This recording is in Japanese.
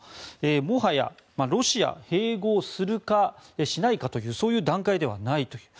もはや、ロシア併合するかしないかというそういう段階ではないという。